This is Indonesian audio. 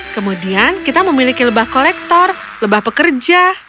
kemudian kita memiliki lebah kolektor lebah pekerja